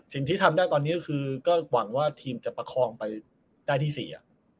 สิ่งที่ทำได้ตอนนี้ก็คือก็หวังว่าทีมจะประคองไปได้ที่สี่อ่ะ